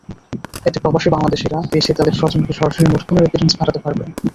এতে প্রবাসী বাংলাদেশিরা দেশে তাঁদের স্বজনকে সরাসরি মুঠোফোনে রেমিট্যান্স পাঠাতে পারবেন।